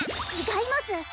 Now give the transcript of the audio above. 違います